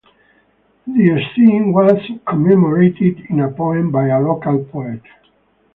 The scene was commemorated in a poem by a local poet.